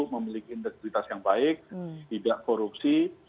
memiliki integritas yang baik tidak korupsi